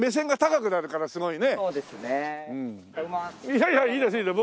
いやいやいいですいいです！